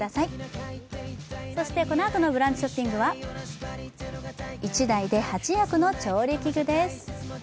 そしてこのあとのブランチショッピングは１台で８役の調理器具です。